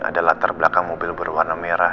ada latar belakang mobil berwarna merah